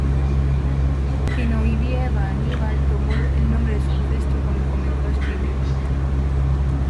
Zinóvieva-Annibal tomó el nombre de su ancestro cuando comenzó a escribir.